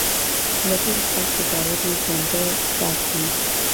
د ډېرو خلکو باور یې ژوندی ساتي.